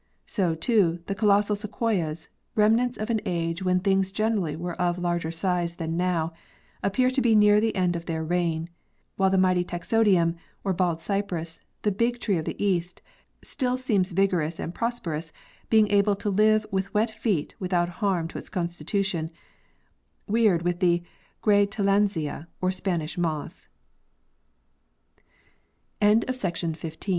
So, too, the colossal sequoias, remnants of an age when things generally were of larger size than now, appear to be near the end of their reign, while the mighty taxodium or bald cypress, the big tree of the east, still seems vigorous and prosperous, being able to live with wet feet without harm to its constitution, weird with the gray tillandsia or Spanish m